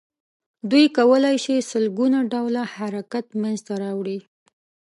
دوی کولای شي سل ګونه ډوله حرکت منځ ته راوړي.